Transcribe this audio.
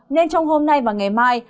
nên trong hôm nay và ngày mai